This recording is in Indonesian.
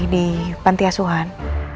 di pantai asuhan